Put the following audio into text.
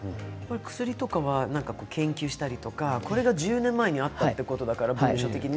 薬とか研究したりこれが１０年前にあったということですから。